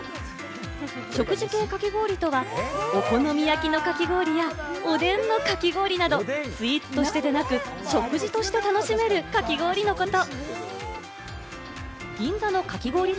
食事系かき氷とは、お好み焼きのかき氷や、おでんのかき氷など、スイーツとしてではなく食事として楽しめる、かき氷のこと。